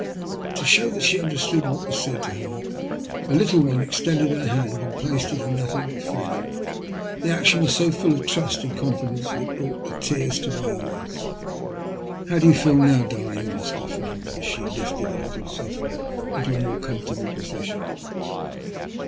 To show that she understood what was said to her, 166 THE LUST OF HATB. the little one extended her hand and placed it in that of her friend. The action was eo fall of trust and con fidence that it brought the tears to mj eyes. " How do you feel now, darling? " asked her friend, as she lifted the little sufferer into a more comfortable position.